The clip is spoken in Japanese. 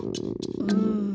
うん。